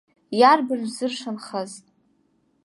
Иарбан шәзыршанхаз?